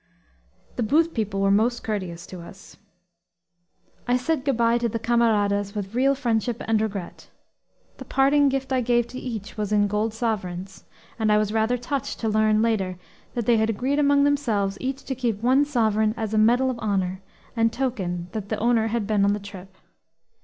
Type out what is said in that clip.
The Booth people were most courteous to us. I said good by to the camaradas with real friendship and regret. The parting gift I gave to each was in gold sovereigns; and I was rather touched to learn later that they had agreed among themselves each to keep one sovereign as a medal of honor and token that the owner had been on the trip.